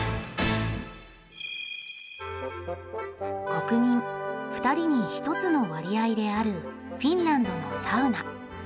国民２人に１つの割合であるフィンランドのサウナ。